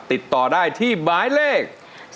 ติดต่อได้ที่หมายเลข๒